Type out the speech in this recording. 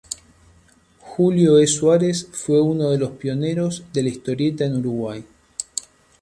Julio E. Suárez fue uno de los pioneros de la historieta en Uruguay.